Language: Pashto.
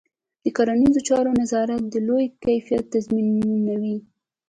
د کرنيزو چارو نظارت د لوړ کیفیت تضمینوي.